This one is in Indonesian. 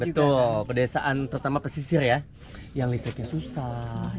betul pedesaan terutama pesisir ya yang listriknya susah